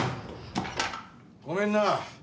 ごめんな。